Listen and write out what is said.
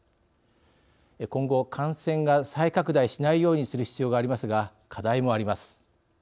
今後感染が再拡大しないようにする必要がありますが課題もあります。